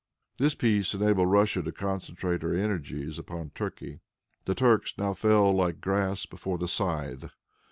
This peace enabled Russia to concentrate her energies upon Turkey. The Turks now fell like grass before the scythe.